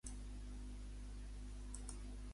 Què es relata a l'obra De Guiana, Carmen Epicum?